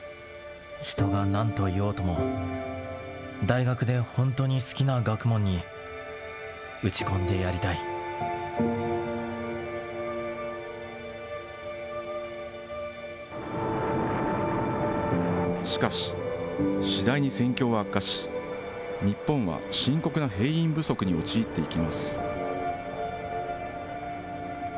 人が何といおうとも大学でほんとに好きな学問に打ち込んでやりたしかし、次第に戦況は悪化し、日本は深刻な兵員不足に陥っていきます。